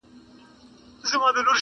صوفي مخ پر دروازه باندي روان سو!